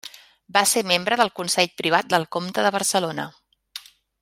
Va ser membre del Consell Privat del Comte de Barcelona.